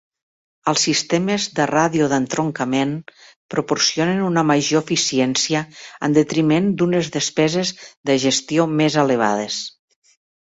Els sistemes de ràdio d'entroncament proporcionen una major eficiència en detriment d'unes despeses de gestió més elevades.